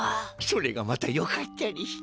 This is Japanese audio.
それがまたよかったりして。